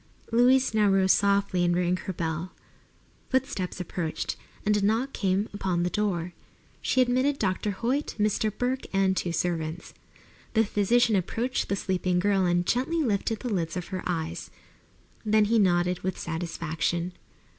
Louise now rose softly and rang her bell. Footsteps approached, and a knock came upon the door. She admitted Dr. Hoyt, Mr. Burke, and two servants. The physician approached the sleeping girl and gently lifted the lids of her eyes. Then he nodded with satisfaction.